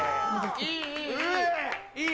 いい！